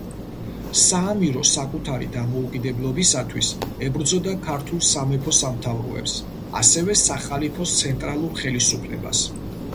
საამირო საკუთარი დამოუკიდებლობისათვის ებრძოდა ქართულ სამეფო-სამთავროებს, ასევე სახალიფოს ცენტრალურ ხელისუფლებას.